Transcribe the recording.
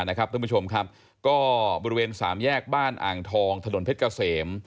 ท่านผู้ชมครับก็บริเวณสามแยกบ้านอ่างทองถนนเพชรเกษม